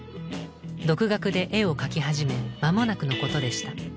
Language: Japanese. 独学で絵を描き始め間もなくのことでした。